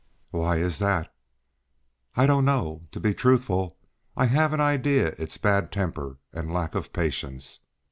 "Why is that?" "I don't know. To be truthful, I have an idea it's bad temper and lack of patience.